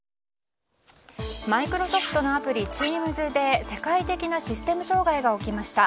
マイクロソフトのアプリＴｅａｍｓで世界的なシステム障害が起きました。